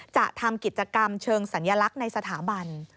จะทำกิจกรรมเชิงสัญลักษณ์ในสถาบัน